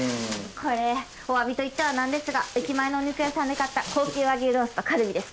これおわびといってはなんですが駅前のお肉屋さんで買った高級和牛ロースとカルビです。